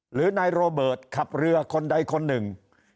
หรือนายโรเบิร์ตขับเรือคนใดคนหนึ่ง